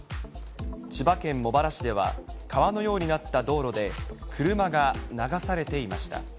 千葉県茂原市では、川のようになった道路で車が流されていました。